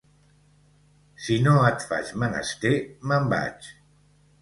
Si no et faig menester, me'n vaig.